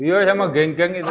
iya sama geng geng itu